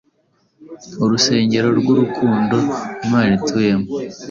Urusengero rwurukundo Imana ituyemo,